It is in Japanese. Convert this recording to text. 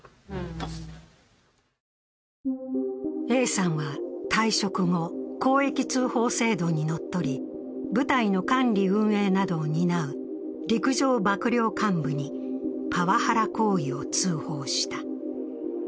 Ａさんは退職後、公益通報制度にのっとり部隊の管理運営などを担う陸上幕僚監部にパワハラ行為を通報した。